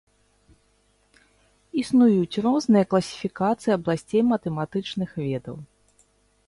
Існуюць розныя класіфікацыі абласцей матэматычных ведаў.